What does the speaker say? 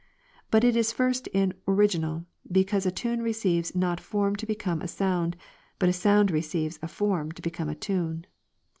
But it is first in original, because a tune receives not form to become a sound, but a sound receives a form to become a tune.